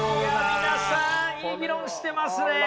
皆さんいい議論してますねえ。